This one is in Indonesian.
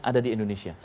ada di indonesia